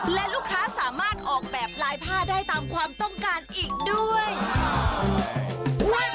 และลูกค้าสามารถออกแบบลายผ้าได้ตามความต้องการอีกด้วย